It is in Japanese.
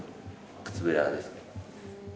靴べらですかね。